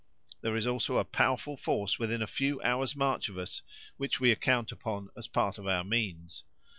There is also a powerful force within a few hours' march of us, which we account upon as a part of our means."